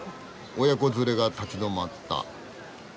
親子連れが立ち止まった。